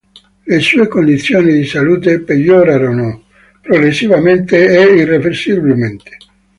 Le sue condizioni di salute peggiorarono progressivamente e irreversibilmente.